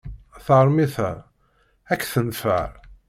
Tarmit-a ad k-tenfeɛ.